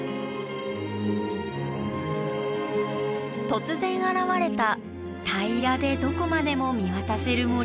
突然現れた平らでどこまでも見渡せる森。